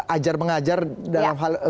ajar mengajar dalam hal guru sendiri